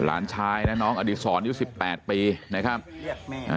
หลานชายนะน้องอดีตสอนยูสิบแปดปีนะครับเรียกแม่